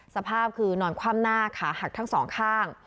สภาพคือนอนคว่ำหน้าขาหักทั้งสองข้าง